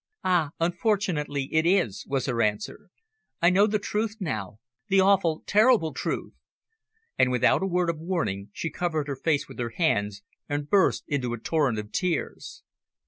"Ah! unfortunately it is," was her answer. "I know the truth now the awful, terrible truth." And without a word of warning she covered her face with her hands and burst into a torrent of tears.